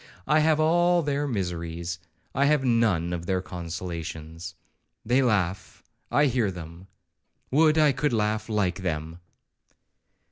I have all their miseries,—I have none of their consolations. They laugh,—I hear them; would I could laugh like them.'